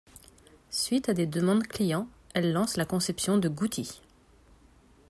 Suite à des demandes clients elle lance la conception de Gouti.